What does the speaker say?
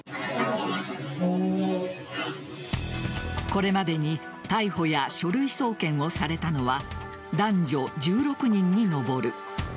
これまでに逮捕や書類送検をされたのは男女１６人に上る。